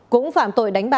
cũng phạm tội đánh bạc